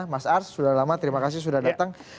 mas ars sudah lama terima kasih sudah datang